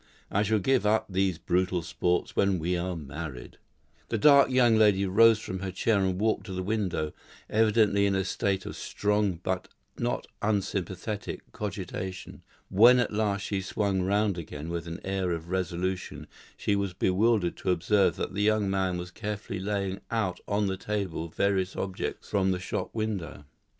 I shall give up these brutal sports when we are married." The dark young lady rose from her chair and walked to the window, evidently in a state of strong but not unsympathetic cogitation. When at last she swung round again with an air of resolution she was bewildered to observe that the young man was carefully laying out on the table various objects from the shop window.